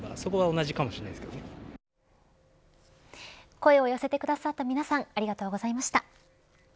声を寄せてくださった皆さんありがとうございました。